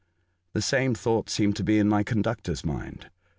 The same thought seemed to be in my conductor's mind.